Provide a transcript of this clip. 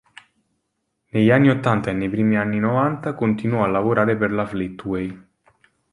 Negli anni ottanta e nei primi anni novanta continuò a lavorare per la Fleetway.